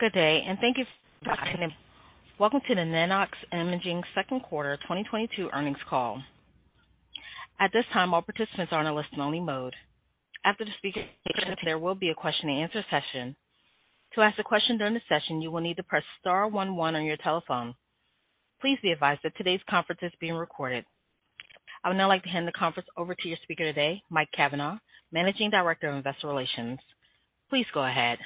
Good day, and thank you. Welcome to the Nano-X Imaging second quarter 2022 earnings call. At this time, all participants are in a listen-only mode. After the presentations, there will be a question and answer session. To ask a question during the session, you will need to press star one one on your telephone. Please be advised that today's conference is being recorded. I would now like to hand the conference over to your speaker today, Mike Cavanaugh, Managing Director of Investor Relations. Please go ahead.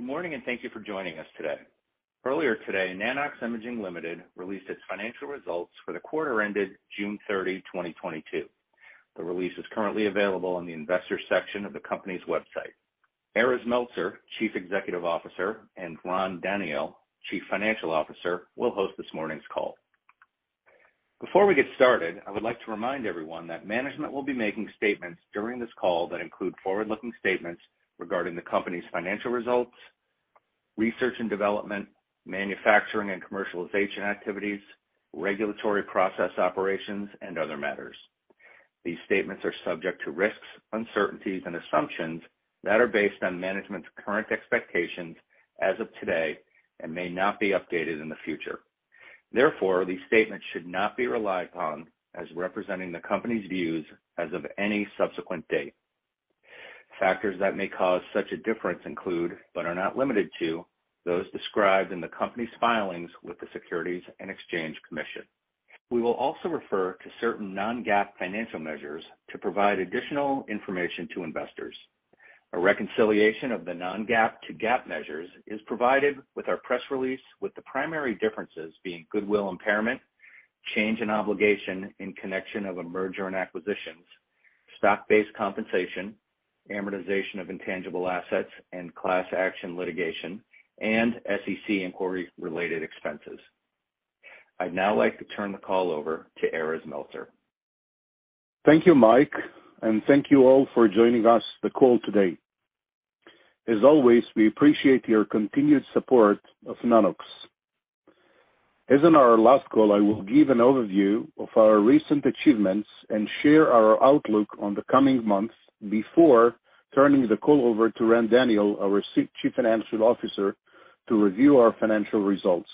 Good morning, and thank you for joining us today. Earlier today, Nano-X Imaging Ltd. released its financial results for the quarter ended June 30, 2022. The release is currently available on the Investors section of the company's website. Erez Meltzer, Chief Executive Officer, and Ran Daniel, Chief Financial Officer, will host this morning's call. Before we get started, I would like to remind everyone that management will be making statements during this call that include forward-looking statements regarding the company's financial results, research and development, manufacturing and commercialization activities, regulatory process operations, and other matters. These statements are subject to risks, uncertainties and assumptions that are based on management's current expectations as of today, and may not be updated in the future. Therefore, these statements should not be relied upon as representing the company's views as of any subsequent date. Factors that may cause such a difference include, but are not limited to, those described in the company's filings with the Securities and Exchange Commission. We will also refer to certain non-GAAP financial measures to provide additional information to investors. A reconciliation of the non-GAAP to GAAP measures is provided with our press release, with the primary differences being goodwill impairment, change in obligations in connection with a merger and acquisitions, stock-based compensation, amortization of intangible assets and class action litigation, and SEC inquiry-related expenses. I'd now like to turn the call over to Erez Meltzer. Thank you, Mike, and thank you all for joining us on the call today. As always, we appreciate your continued support of Nanox. As in our last call, I will give an overview of our recent achievements and share our outlook on the coming months before turning the call over to Ran Daniel, our Chief Financial Officer, to review our financial results.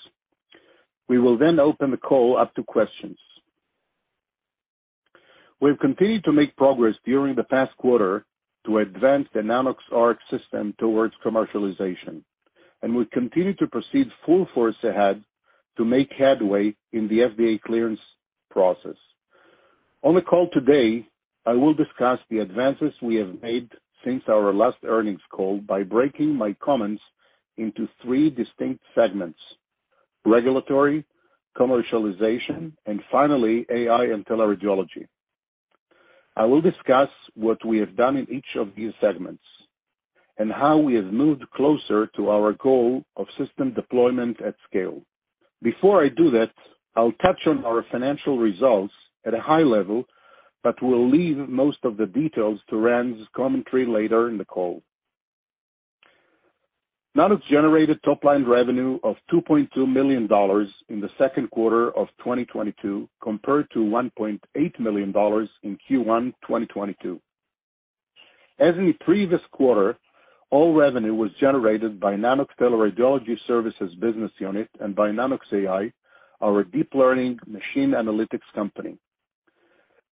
We will then open the call up to questions. We've continued to make progress during the past quarter to advance the Nanox.ARC system towards commercialization, and we continue to proceed full force ahead to make headway in the FDA clearance process. On the call today, I will discuss the advances we have made since our last earnings call by breaking my comments into three distinct segments, regulatory, commercialization, and finally, AI and teleradiology. I will discuss what we have done in each of these segments, and how we have moved closer to our goal of system deployment at scale. Before I do that, I'll touch on our financial results at a high level, but will leave most of the details to Ran's commentary later in the call. Nanox generated top line revenue of $2.2 million in the second quarter of 2022, compared to $1.8 million in Q1 2022. As in the previous quarter, all revenue was generated by Nanox Teleradiology Services business unit and by Nanox AI, our deep learning machine analytics company.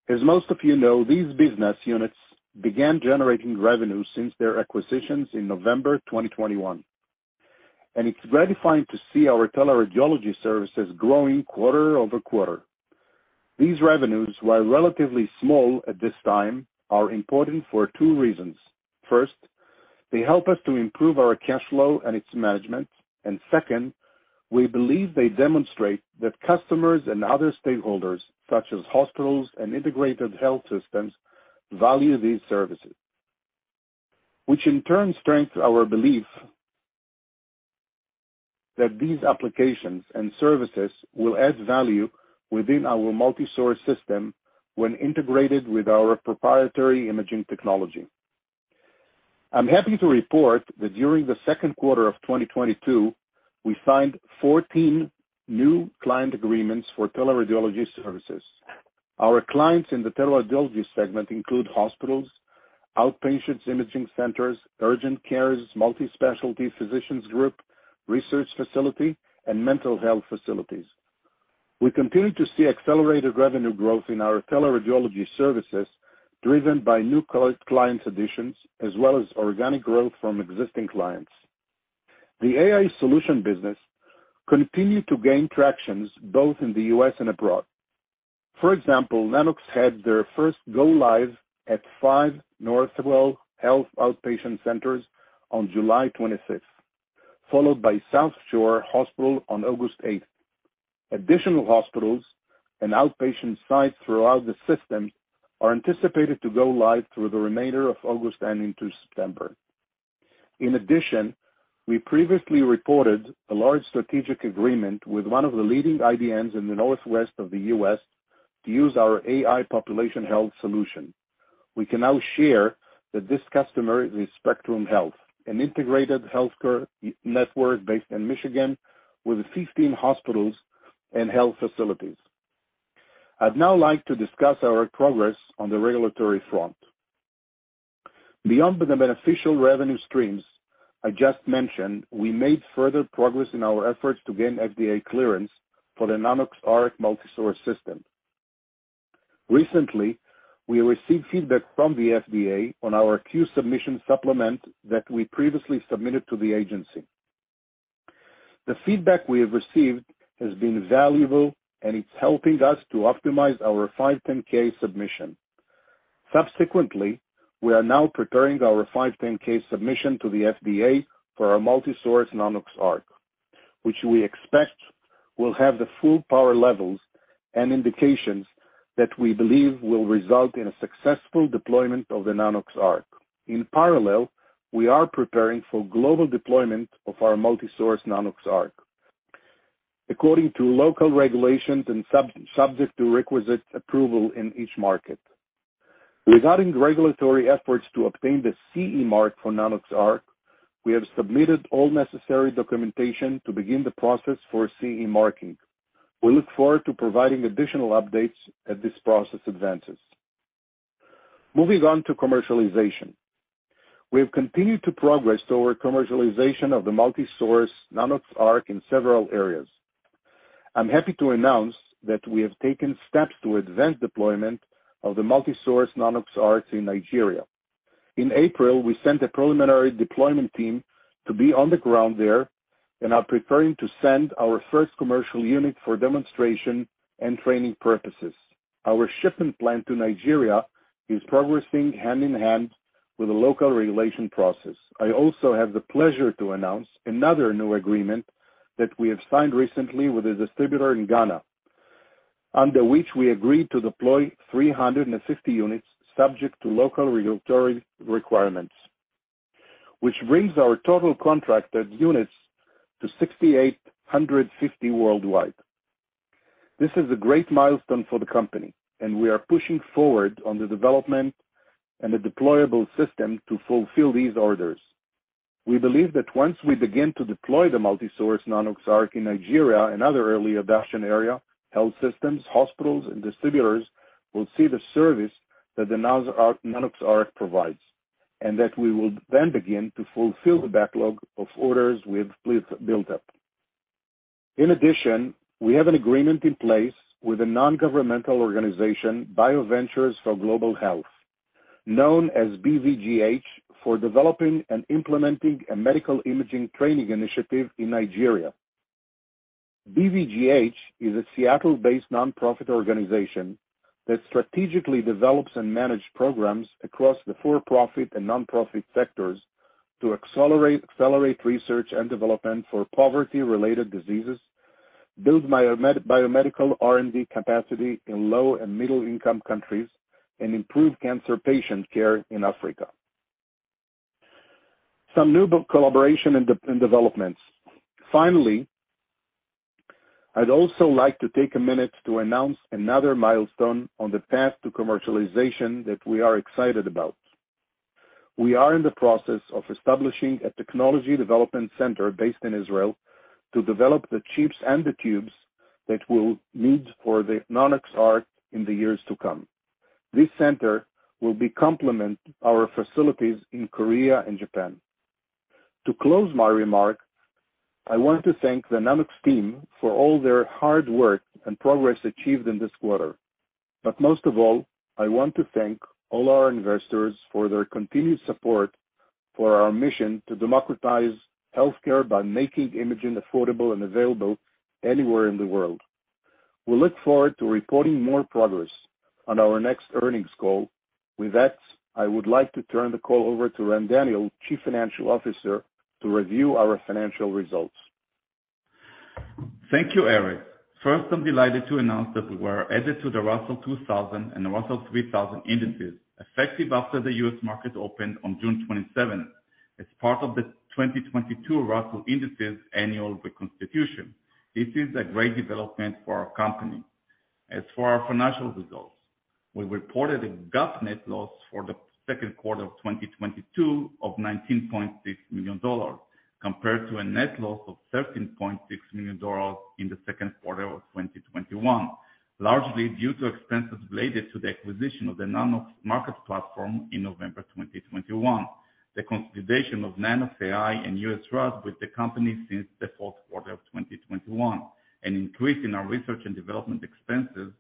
As most of you know, these business units began generating revenue since their acquisitions in November 2021, and it's gratifying to see our teleradiology services growing quarter over quarter. These revenues, while relatively small at this time, are important for two reasons. First, they help us to improve our cash flow and its management. Second, we believe they demonstrate that customers, and other stakeholders, such as hospitals, and integrated health systems, value these services, which in turn strengthens our belief that these applications and services will add value within our multi-source system when integrated with our proprietary imaging technology. I'm happy to report that during the second quarter of 2022, we signed 14 new client agreements for teleradiology services. Our clients in the teleradiology segment include hospitals, outpatient imaging centers, urgent cares, multi-specialty physicians group, research facility, and mental health facilities. We continue to see accelerated revenue growth in our teleradiology services, driven by new client additions, as well as organic growth from existing clients. The AI solution business continued to gain traction both in the U.S. and abroad. For example, Nanox had their first go live at Five Northwell Health outpatient centers on July twenty sixth, followed by South Shore University Hospital on August eighth. Additional hospitals and outpatient sites throughout the system are anticipated to go live through the remainder of August and into September. In addition, we previously reported a large strategic agreement with one of the leading IDNs in the northwest of the US to use our AI population health solution. We can now share that this customer is Spectrum Health, an integrated healthcare network based in Michigan with 15 hospitals and health facilities. I'd now like to discuss our progress on the regulatory front. Beyond the beneficial revenue streams I just mentioned, we made further progress in our efforts to gain FDA clearance for the Nanox Arc multi-source system. Recently, we received feedback from the FDA on our Q-Submission supplement that we previously submitted to the agency. The feedback we have received has been valuable, and it's helping us to optimize our 510(k) submission. Subsequently, we are now preparing our 510(k) submission to the FDA for our multi-source Nanox.ARC, which we expect will have the full power levels, and indications that we believe will result in a successful deployment of the Nanox.ARC. In parallel, we are preparing for global deployment of our multi-source Nanox.ARC, according to local regulations and subject to requisite approval in each market. Regarding regulatory efforts to obtain the CE mark for Nanox.ARC, we have submitted all necessary documentation to begin the process for CE marking. We look forward to providing additional updates as this process advances. Moving on to commercialization. We have continued to progress toward commercialization of the multi-source Nanox.ARC in several areas. I'm happy to announce that we have taken steps to advance deployment of the multi-source Nanox.ARC in Nigeria. In April, we sent a preliminary deployment team to be on the ground there and are preparing to send our first commercial unit for demonstration and training purposes. Our shipping plan to Nigeria is progressing hand-in-hand with the local regulation process. I also have the pleasure to announce another new agreement that we have signed recently with a distributor in Ghana, under which we agreed to deploy 350 units subject to local regulatory requirements, which brings our total contracted units to 6,850 worldwide. This is a great milestone for the company, and we are pushing forward on the development and the deployable system to fulfill these orders. We believe that once we begin to deploy the multi-source Nanox.ARC in Nigeria, and other early adoption area, health systems, hospitals, and distributors will see the service that the Nanox.ARC provides, and that we will then begin to fulfill the backlog of orders we have built up. In addition, we have an agreement in place with a non-governmental organization, BIO Ventures for Global Health, known as BVGH, for developing and implementing a medical imaging training initiative in Nigeria. BVGH is a Seattle-based nonprofit organization that strategically develops and manage programs across the for-profit and nonprofit sectors to accelerate research and development for poverty-related diseases, build biomedical R&D capacity in low and middle income countries, and improve cancer patient care in Africa. Some new collaboration and developments. Finally, I'd also like to take a minute to announce another milestone on the path to commercialization, that we are excited about. We are in the process of establishing a technology development center based in Israel, to develop the chips and the tubes that we'll need for the Nanox.ARC in the years to come. This center will complement our facilities in Korea and Japan. To close my remarks, I want to thank the Nanox team for all their hard work and progress achieved in this quarter. Most of all, I want to thank all our investors for their continued support for our mission to democratize healthcare by making imaging affordable and available anywhere in the world. We look forward to reporting more progress on our next earnings call. With that, I would like to turn the call over to Ran Daniel, Chief Financial Officer, to review our financial results. Thank you, Erez Meltzer. First, I'm delighted to announce that we were added to the Russell 2000 and the Russell 3000 indices, effective after the U.S. market opened on June 27 as part of the 2022 Russell Indices annual reconstitution. This is a great development for our company. As for our financial results, we reported a GAAP net loss for the second quarter of 2022 of $19.6 million compared to a net loss of $13.6 million in the second quarter of 2021, largely due to expenses related to the acquisition of the Nanox Marketplace in November 2021. The consolidation of Nanox.AI and USARAD with the company since the fourth quarter of 2021, an increase in our research and development expenses,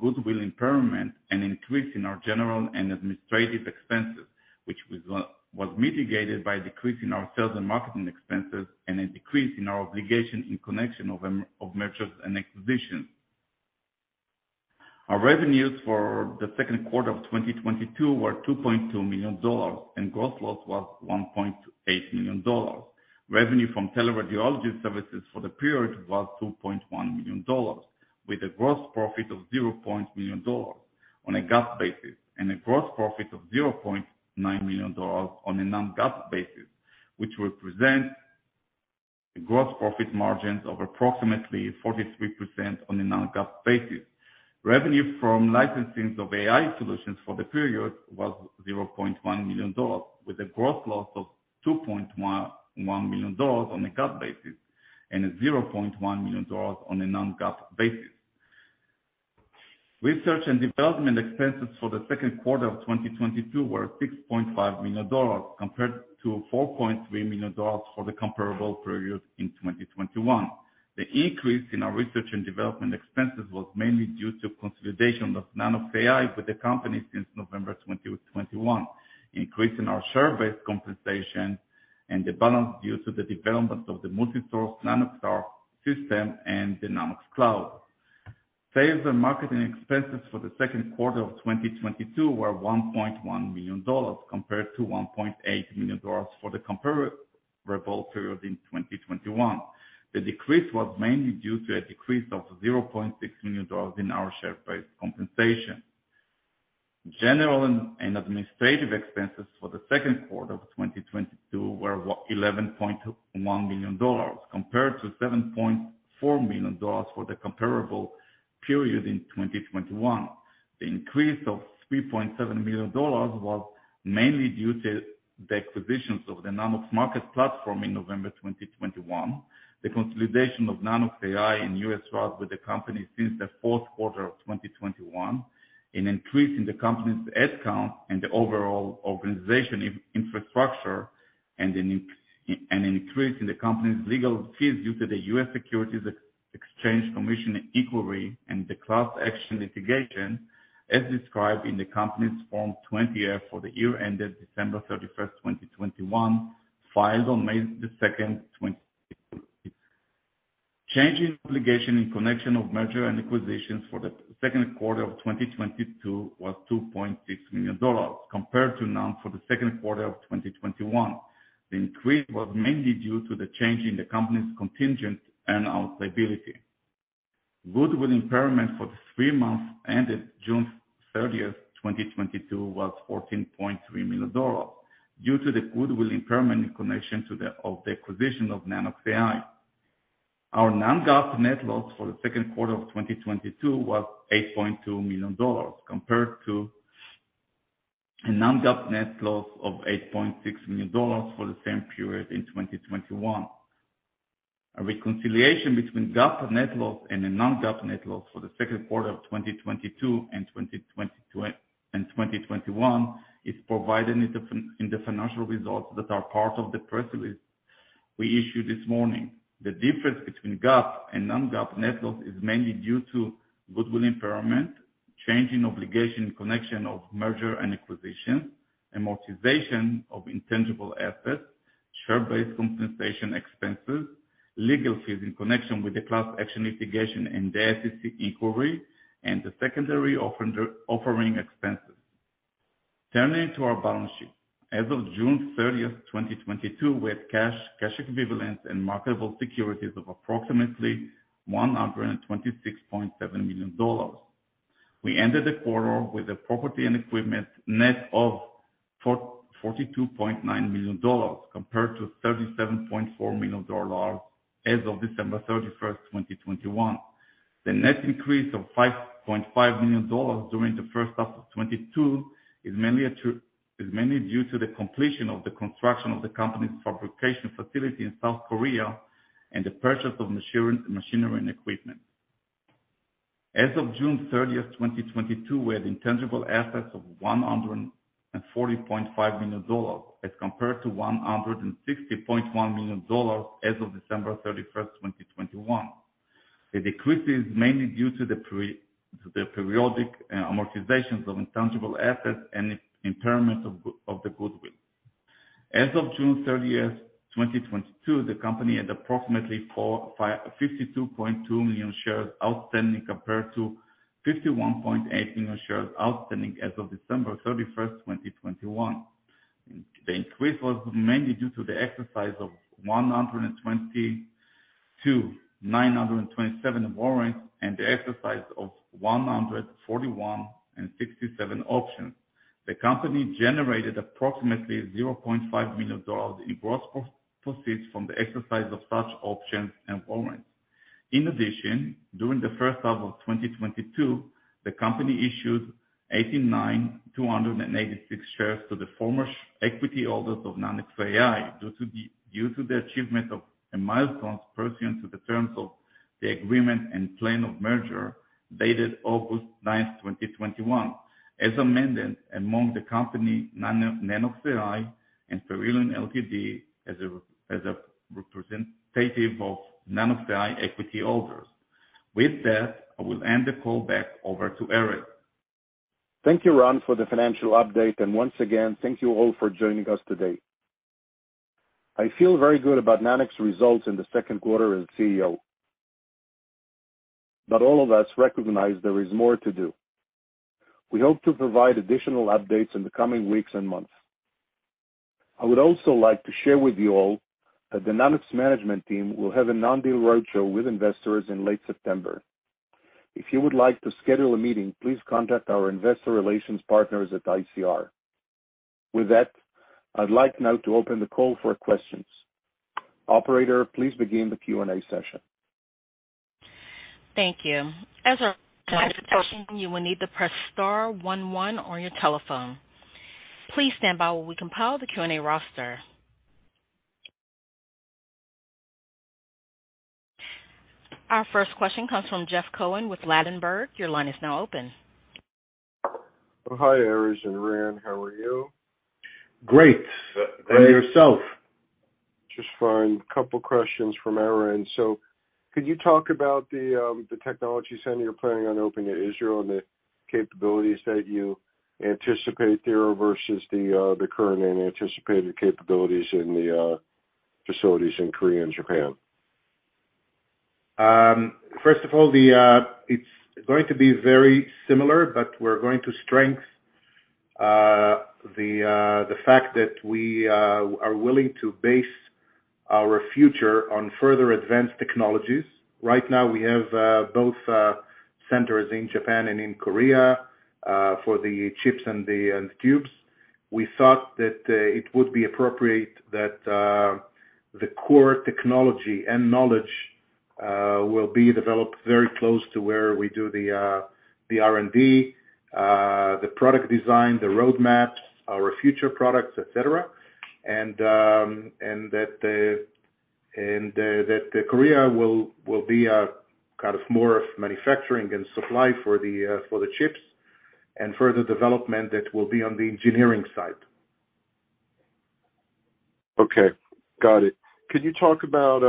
goodwill impairment, an increase in our general and administrative expenses, which was mitigated by a decrease in our sales and marketing expenses and a decrease in our obligation in connection with mergers and acquisitions. Our revenues for the second quarter of 2022 were $2.2 million, and gross loss was $1.8 million. Revenue from teleradiology services for the period was $2.1 million, with a gross profit of $0.1 million on a GAAP basis and a gross profit of $0.9 million on a non-GAAP basis, which represent a gross profit margins of approximately 43% on a non-GAAP basis. Revenue from licensing of AI solutions for the period was $0.1 million, with a gross loss of $2.11 million on a GAAP basis and a $0.1 million on a non-GAAP basis. Research and development expenses for the second quarter of 2022 were $6.5 million compared to $4.3 million for the comparable period in 2021. The increase in our research and development expenses was mainly due to consolidation of Nanox.AI with the company since November 2021, increase in our share-based compensation, and the balance due to the development of the Multi-Source Nanox.ARC system and the Nanox.CLOUD. Sales and marketing expenses for the second quarter of 2022 were $1.1 million compared to $1.8 million for the comparable period in 2021. The decrease was mainly due to a decrease of $0.6 million in our share-based compensation. General and administrative expenses for the second quarter of 2022 were $11.1 million compared to $7.4 million for the comparable period in 2021. The increase of $3.7 million was mainly due to the acquisitions of the Nanox Marketplace in November 2021, the consolidation of Nanox.AI in the U.S. with the company since the fourth quarter of 2021, an increase in the company's headcount and the overall organizational infrastructure, and an increase in the company's legal fees due to the U.S. Securities and Exchange Commission inquiry and the class action litigation, as described in the company's Form 20-F for the year ended December 31, 2021, filed on May 2 2022. Changes in obligations in connection with mergers and acquisitions for the second quarter of 2022 was $2.6 million compared to none for the second quarter of 2021. The increase was mainly due to the change in the company's contingent and earn-out liability. Goodwill impairment for the three months ended June 30, 2022 was $14.3 million due to the goodwill impairment in connection to the acquisition of Nanox.AI. Our non-GAAP net loss for the second quarter of 2022 was $8.2 million compared to a non-GAAP net loss of $8.6 million for the same period in 2021. A reconciliation between GAAP net loss and the non-GAAP net loss for the second quarter of 2022 and 2021 is provided in the financial results that are part of the press release we issued this morning. The difference between GAAP and non-GAAP net loss is mainly due to goodwill impairment, change in obligations in connection with merger and acquisition, amortization of intangible assets, share-based compensation expenses, legal fees in connection with the class action litigation and the SEC inquiry, and the secondary offering expenses. Turning to our balance sheet. As of June 30, 2022, we had cash equivalents, and marketable securities of approximately $126.7 million. We ended the quarter with a property and equipment net of $42.9 million compared to $37.4 million as of December 31, 2021. The net increase of $5.5 million during the first half of 2022 is mainly due to the completion of the construction of the company's fabrication facility in South Korea and the purchase of machinery and equipment. As of June 30, 2022, we had intangible assets of $140.5 million as compared to $160.1 million as of December 31, 2021. The decrease is mainly due to the periodic amortizations of intangible assets and impairment of the goodwill. As of June 30, 2022, the company had approximately 452.2 million shares outstanding compared to 51.8 million shares outstanding as of December 31, 2021. The increase was mainly due to the exercise of 122,927 warrants and the exercise of 141,167 options. The company generated approximately $0.5 million in gross proceeds from the exercise of such options and warrants. In addition, during the first half of 2022, the company issued 89,286 shares to the former equity holders of Nano-X AI due to the achievement of a milestone pursuant to the terms of the agreement and plan of merger dated August 9, 2021, as amended among the company, Nano-X AI, and Perryllion Ltd. as a representative of Nano-X AI equity holders. With that, I will end the call back over to Erez. Thank you, Ran for the financial update, and once again, thank you all for joining us today. I feel very good about Nanox results in the second quarter as CEO. All of us recognize there is more to do. We hope to provide additional updates in the coming weeks and months. I would also like to share with you all that the Nanox management team will have a non-deal roadshow with investors in late September. If you would like to schedule a meeting, please contact our investor relations partners at ICR. With that, I'd like now to open the call for questions. Operator, please begin the Q&A session. Thank you. As a reminder, to ask a question, you will need to press star one one on your telephone. Please stand by while we compile the Q&A roster. Our first question comes from Jeff Cohen with Ladenburg. Your line is now open. Oh, hi, Erez and Ran. How are you? Great. Great. Yourself? Just fine. A couple questions from our end. Could you talk about the technology center you're planning on opening in Israel and the capabilities that you anticipate there versus the current and anticipated capabilities in the facilities in Korea and Japan? First of all, it's going to be very similar, but we're going to strengthen the fact that we are willing to base our future on further advanced technologies. Right now, we have both centers in Japan and in Korea for the chips and the tubes. We thought that it would be appropriate that the core technology, and knowledge will be developed very close to where we do the R&D, the product design, the roadmaps, our future products, et cetera. That Korea will be more of a kind of manufacturing and supply for the chips and further development that will be on the engineering side. Okay. Got it. Could you talk about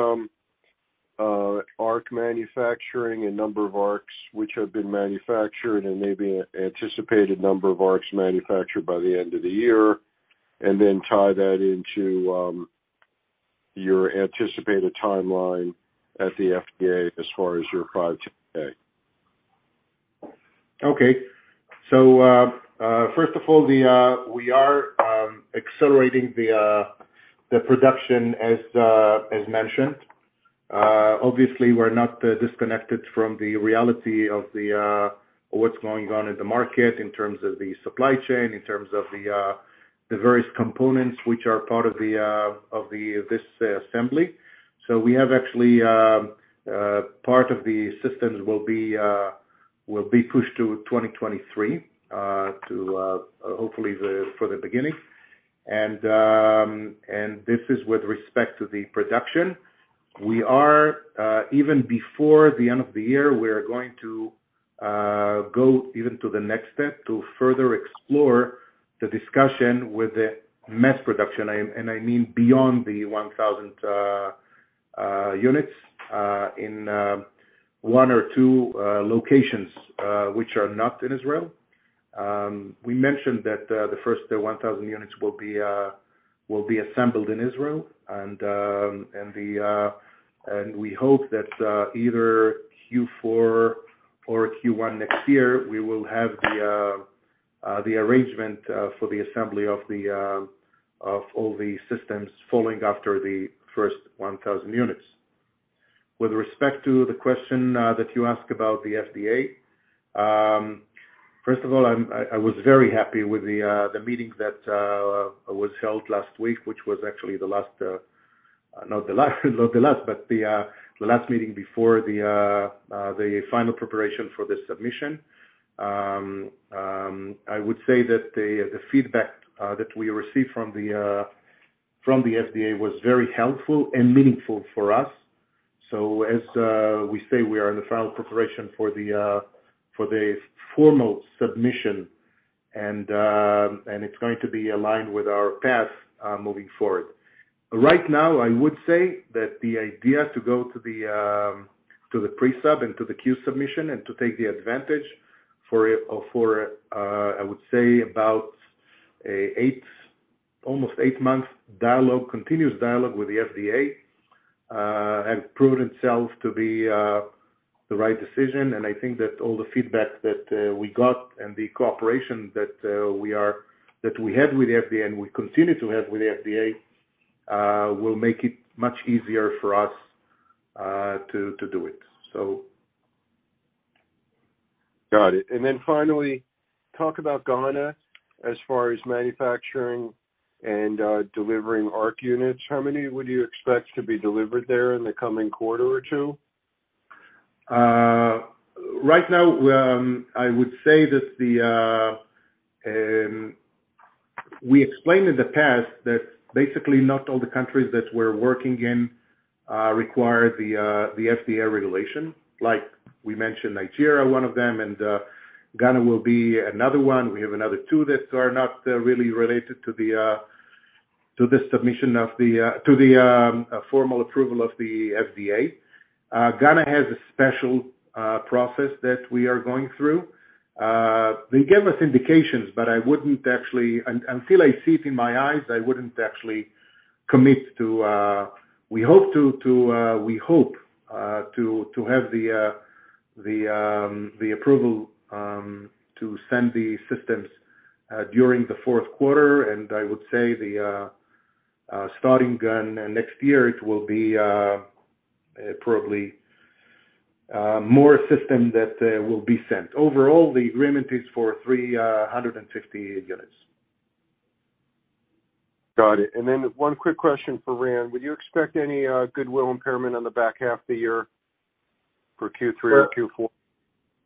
ARC manufacturing and number of ARCs which have been manufactured and maybe anticipated number of ARCs manufactured by the end of the year? Tie that into your anticipated timeline at the FDA as far as your 510. Okay. First of all, we are accelerating the production as mentioned. Obviously, we're not disconnected from the reality of what's going on in the market in terms of the supply chain, in terms of the various components, which are part of the assembly. We have actually part of the systems will be pushed to 2023, to hopefully for the beginning. This is with respect to the production. We are even before the end of the year, we are going to go even to the next step to further explore the discussion with the mass production, and I mean, beyond the 1,000 units in one or two locations which are not in Israel. We mentioned that the first 1,000 units will be assembled in Israel, and we hope that either Q4 or Q1 next year, we will have the arrangement for the assembly of all the systems following after the first 1,000 units. With respect to the question that you asked about the FDA, first of all, I was very happy with the meeting that was held last week, which was actually not the last, but the last meeting before the final preparation for the submission. I would say that the feedback that we received from the FDA was very helpful and meaningful for us. As we say, we are in the final preparation for the formal submission, and it's going to be aligned with our path moving forward. Right now, I would say that the idea to go to the Pre-Submission and to the Q-Submission and to take the advantage for, I would say about eight, almost eight months dialogue, continuous dialogue with the FDA, has proven itself to be the right decision. I think that all the feedback that we got and the cooperation that we had with FDA and we continue to have with FDA will make it much easier for us to do it. Got it. Finally, talk about Ghana as far as manufacturing and delivering Nanox.ARC units. How many would you expect to be delivered there in the coming quarter or two? Right now, I would say that we explained in the past, that basically not all the countries that we're working in require the FDA regulation. Like we mentioned Nigeria, one of them, and Ghana will be another one. We have another two that are not really related to the submission of the formal approval of the FDA. Ghana has a special process that we are going through. They gave us indications, but I wouldn't actually commit until I see it in my eyes. We hope to have the approval to send the systems during the fourth quarter. I would say the starting gun next year. It will be probably more systems that will be sent. Overall, the agreement is for 350 units. Got it. One quick question for Ran. Would you expect any goodwill impairment on the back half of the year? For Q3 or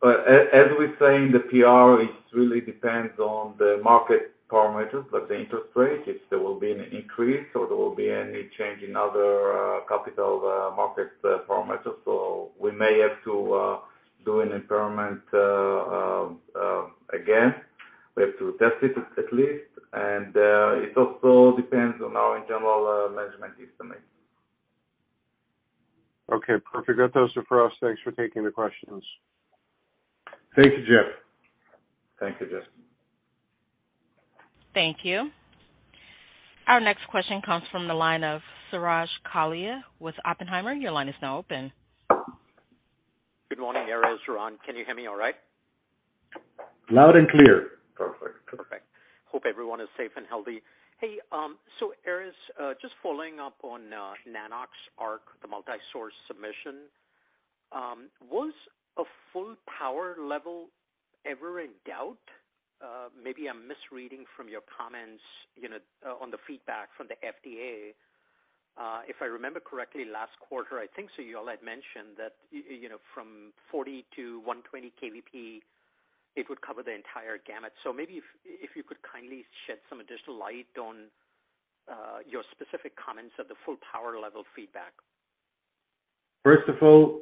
Q4? As we say in the PR, it really depends on the market parameters, like the interest rate, if there will be an increase or there will be any change in other capital market parameters. We may have to do an impairment again. We have to test it at least. It also depends on our internal management estimate. Okay, perfect. That's it for us. Thanks for taking the questions. Thank you, Jeff. Thank you, Jeff. Thank you. Our next question comes from the line of Suraj Kalia with Oppenheimer. Your line is now open. Good morning, Erez, Suraj. Can you hear me all right? Loud and clear. Perfect. Perfect. Hope everyone is safe and healthy. Hey, so Erez, just following up on Nanox.ARC, the multi-source submission, was a full power level ever in doubt? Maybe I'm misreading from your comments, you know, on the feedback from the FDA. If I remember correctly, last quarter, I think CEO had mentioned that, you know, from 40 to 120 kVp, it would cover the entire gamut. Maybe if you could kindly shed some additional light on your specific comments of the full power level feedback. First of all,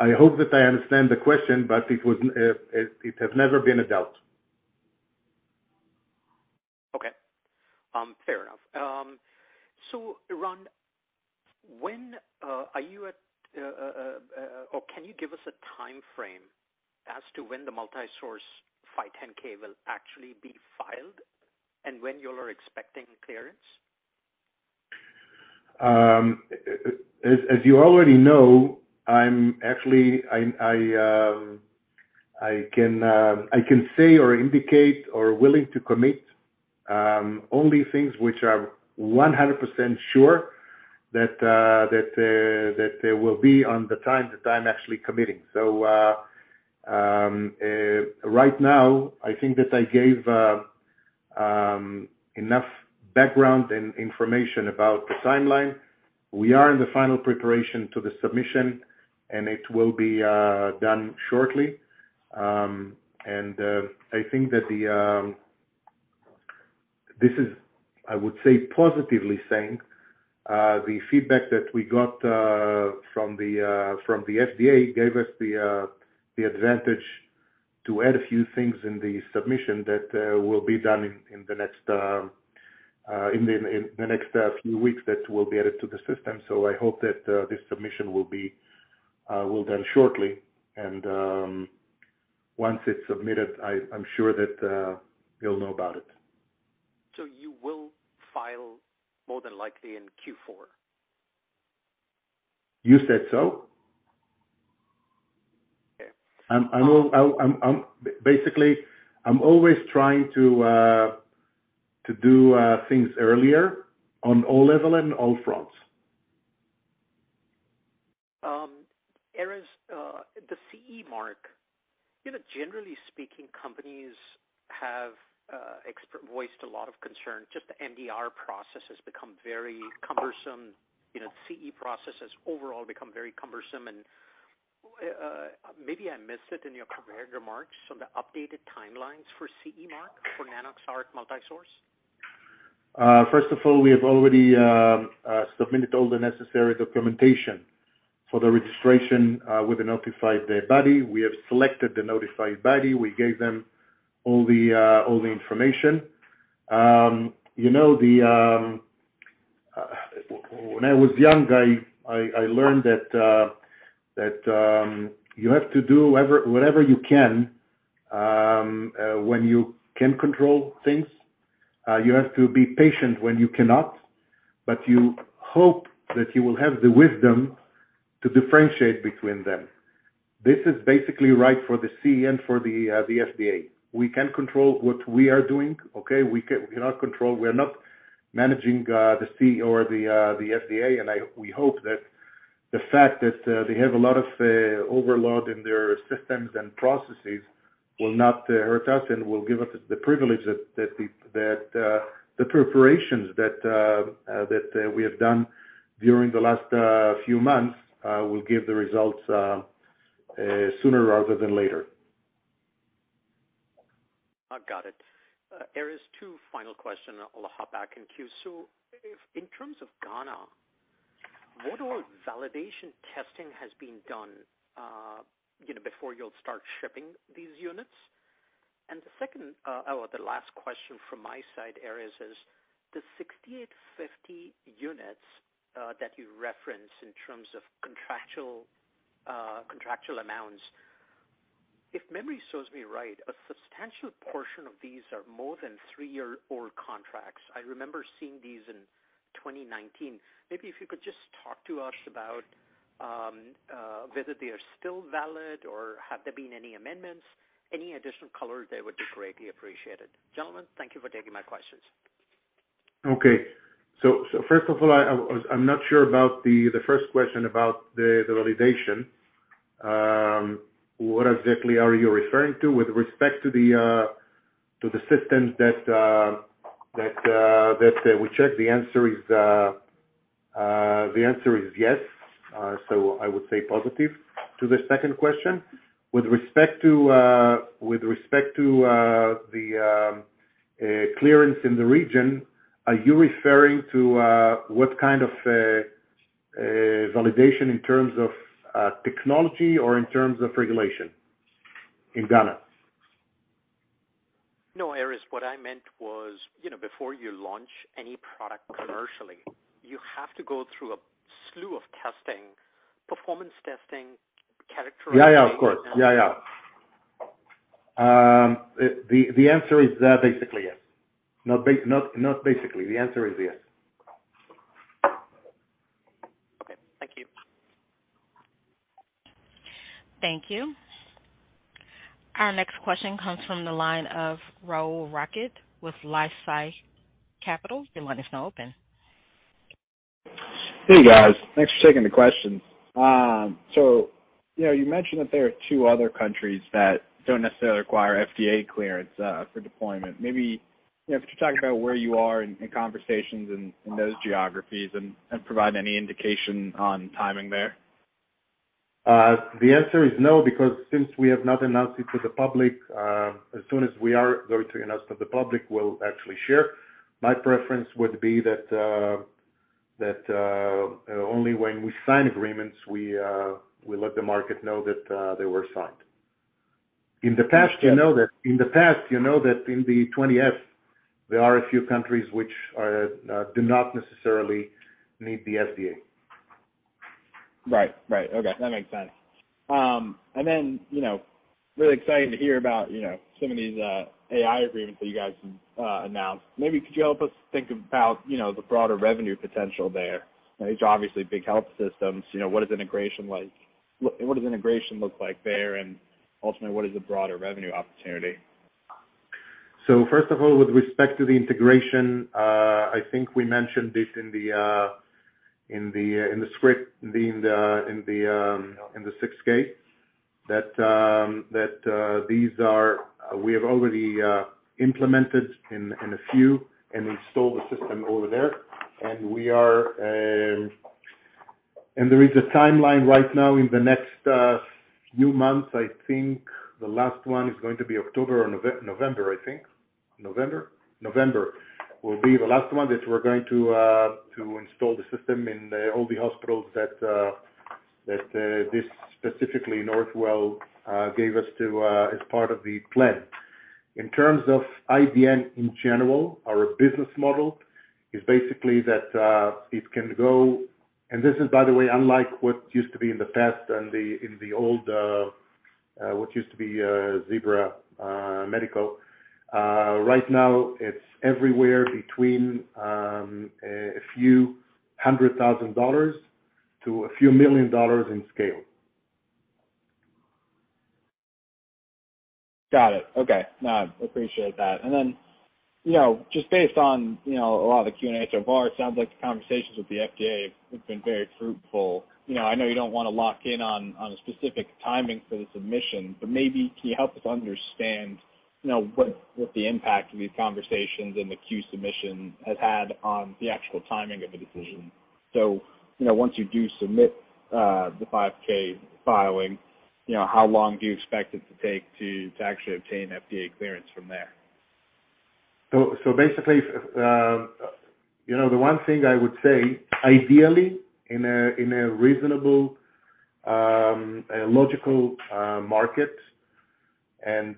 I hope that I understand the question, but it has never been a doubt. Okay. Fair enough. Ran, can you give us a timeframe as to when the multi-source 510(k) will actually be filed and when you are expecting clearance? As you already know, I'm actually I can say or indicate or willing to commit only things which I'm 100% sure that they will be on time that I'm actually committing. Right now, I think that I gave enough background and information about the timeline. We are in the final preparation for the submission, and it will be done shortly. This is, I would say, the feedback that we got from the FDA gave us the advantage to add a few things in the submission that will be done in the next few weeks that will be added to the system. I hope that this submission will be well done shortly. Once it's submitted, I'm sure that you'll know about it. You will file more than likely in Q4? You said so. Okay. I'm basically always trying to do things earlier on all levels and all fronts. Erez, the CE mark, you know, generally speaking, companies, experts have voiced a lot of concern, just the MDR process has become very cumbersome. You know, the CE process has overall become very cumbersome. Maybe I missed it in your prepared remarks on the updated timelines for CE mark for Nanox.ARC Multi-Source. First of all, we have already submitted all the necessary documentation for the registration with the notified body. We have selected the notified body. We gave them all the information. You know, when I was young, I learned that you have to do whatever you can when you can control things. You have to be patient when you cannot, but you hope that you will have the wisdom to differentiate between them. This is basically right for the CE and for the FDA. We can control what we are doing, okay? We cannot control. We're not managing the CE or the FDA. We hope that the fact that they have a lot of overload in their systems and processes will not hurt us and will give us the privilege that the preparations that we have done during the last few months will give the results sooner rather than later. I've got it. Erez, two final question. I'll hop back in queue. If in terms of Ghana, what all validation testing has been done, you know, before you'll start shipping these units? And the second, or the last question from my side, Erez, is the 6,850 units, that you referenced in terms of contractual amounts. If memory serves me right, a substantial portion of these are more than three-year-old contracts. I remember seeing these in 2019. Maybe if you could just talk to us about, whether they are still valid or, have there been any amendments, any additional color, they would be greatly appreciated. Gentlemen, thank you for taking my questions. First of all, I'm not sure about the first question about the validation. What exactly are you referring to with respect to the systems that we check? The answer is yes. I would say positive to the second question. With respect to the clearance in the region, are you referring to what kind of validation in terms of technology or in terms of regulation in Ghana? No, Erez, what I meant was, you know, before you launch any product commercially, you have to go through a slew of testing, performance testing. Yeah, of course. Yeah. The answer is basically yes. Not basically. The answer is yes. Okay, thank you. Thank you. Our next question comes from the line of Rahul Rakshit with LifeSci Capital. Your line is now open. Hey, guys. Thanks for taking the questions. You know, you mentioned that there are two other countries that don't necessarily require FDA clearance for deployment. Maybe, you know, could you talk about where you are in conversations in those geographies and provide any indication on timing there? The answer is no, because since we have not announced it to the public, as soon as we are going to announce to the public, we'll actually share. My preference would be that only when we sign agreements, we let the market know that they were signed. In the past, you know that in the 20-F, there are a few countries which do not necessarily need the FDA. Right. Okay, that makes sense. You know, really exciting to hear about, you know, some of these AI agreements that you guys announced. Maybe could you help us think about, you know, the broader revenue potential there? I think it's obviously big health systems. You know, what does integration look like there? Ultimately, what is the broader revenue opportunity? First of all, with respect to the integration, I think we mentioned this in the Form 6-K, that these are. We have already implemented in a few and installed the system over there. There is a timeline right now in the next few months. I think the last one is going to be October or November, I think. November will be the last one that we're going to install the system in all the hospitals that this specifically Northwell gave us to as part of the plan. In terms of IDN in general, our business model is basically that it can go. This is, by the way, unlike what used to be in the past, in the old what used to be Zebra Medical. Right now it's everywhere between $a few hundred thousand to $a few million in scale. Got it. Okay. No, I appreciate that. Then, you know, just based on, you know, a lot of the Q&A so far, it sounds like the conversations with the FDA have been very fruitful. You know, I know you don't wanna lock in on a specific timing for the submission, but maybe can you help us understand, you know, what the impact of these conversations and the Q-Submission has had on the actual timing of the decision? You know, once you do submit the 510(k) filing, you know, how long do you expect it to take to actually obtain FDA clearance from there? Basically, you know, the one thing I would say, ideally, in a reasonable logical market, and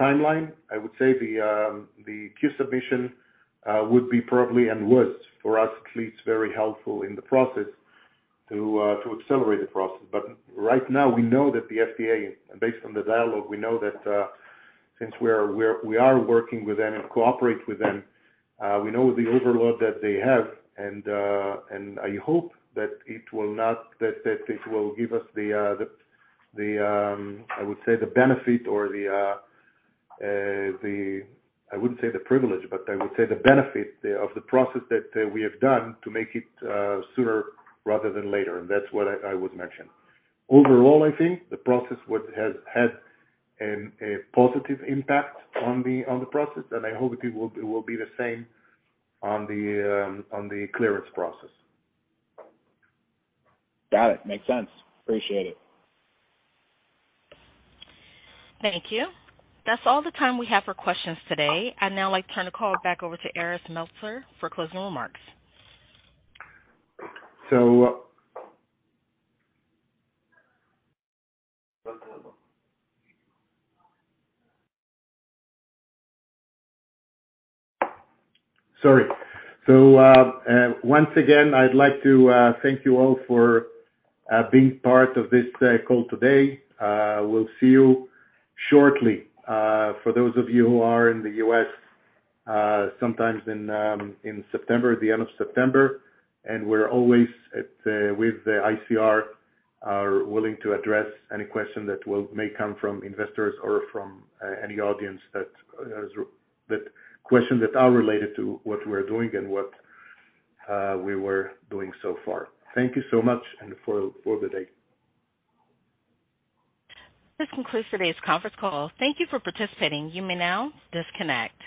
timeline, I would say the Q-Submission would be probably and was for us at least very helpful in the process to accelerate the process. Right now we know that the FDA, and based on the dialogue, we know that since we are working with them and cooperate with them, we know the overload that they have, and I hope that it will not. That it will give us the I would say the benefit or the. I wouldn't say the privilege, but I would say the benefit of the process that we have done to make it sooner rather than later. That's what I would mention. Overall, I think the process would have had a positive impact on the process, and I hope it will be the same on the clearance process. Got it. Makes sense. Appreciate it. Thank you. That's all the time we have for questions today. I'd now like to turn the call back over to Erez Meltzer for closing remarks. Once again, I'd like to thank you all for being part of this call today. We'll see you shortly, for those of you who are in the US, sometime in September, the end of September, and we're always, with the ICR, willing to address any question that may come from investors or from any audience, questions that are related to what we're doing and what we were doing so far. Thank you so much and for the day. This concludes today's conference call. Thank you for participating. You may now disconnect.